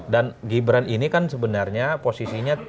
dan gibran ini kan sebenarnya posisinya